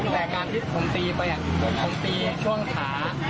แต่การที่ผมตีไปผมตีช่วงขา